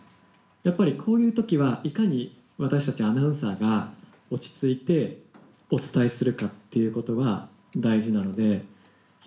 やっぱり、こういうときはいかに私たちアナウンサーが落ち着いてお伝えするかっていうことが大事なので。